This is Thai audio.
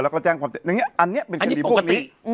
อันนี้เป็นสถิติพวกนี้